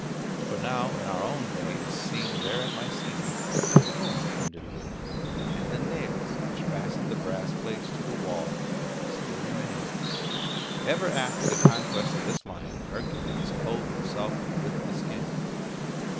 For now in our own day is seen there at Mycenae a room under the earth, and the nails which fastened the brass plates to the wall still remain. Ever after the conquest of this lion Hercules clothed himself with the skin.